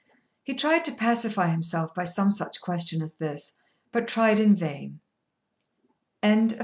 He tried to pacify himself by some such question as this, but tried in vain. CHAPTER XXI.